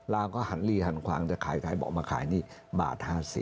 ลางก็หันลีหันขวางจะขายเบาะมาขายนี่บาท๕๐